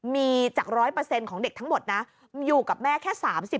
มีจาก๑๐๐ของเด็กทั้งหมดนะอยู่กับแม่แค่๓๐